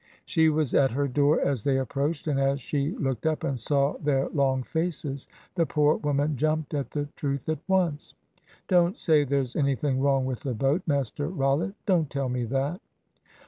She was at her door as they approached, and as she looked up and saw their long faces, the poor woman jumped at the truth at once. "Don't say there's anything wrong with the boat, Master Rollitt. Don't tell me that."